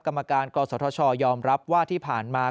กรรมการกศธชยอมรับว่าที่ผ่านมา